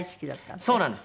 そうなんです。